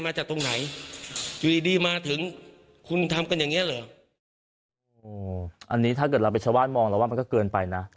อันนี้ถ้าเกิดเราเป็นชาวบ้านมองเราว่ามันก็เกินไปนะ